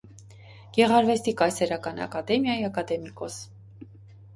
Գեղարվեստի կայսերական ակադեմիայի ակադեմիկոս։